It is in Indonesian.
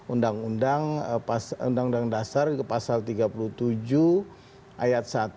undang undang dasar pasal tiga puluh tujuh ayat satu